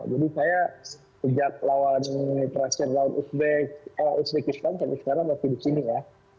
jadi saya sejak perasaan lawan uzbekistan sampai sekarang masih di sini ya